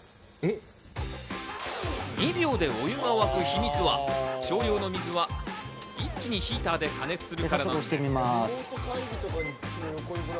２秒でお湯が沸く秘密は少量の水は、一気にヒーターで加熱する。